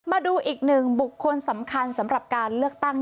มาดูอีกหนึ่งบุคคลสำคัญสำหรับการเลือกตั้ง